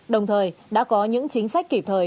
đồng thời đã có những chính sách kịp thời